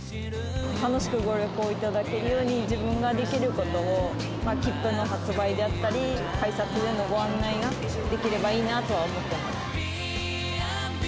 楽しくご旅行いただけるように、自分ができることを切符の発売であったり、改札でのご案内ができればいいなとは思ってます。